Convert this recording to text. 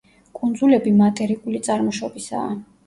კუნძულები მატერიკული წარმოშობისაა.